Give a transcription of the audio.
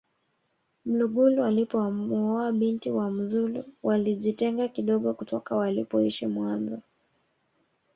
mlugulu alipomuoa binti wa mzulu waligitenga kidogo kutoka walipoishi mwanzo